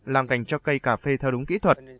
làm cảnh cho cây cà phê theo đúng kỹ thuật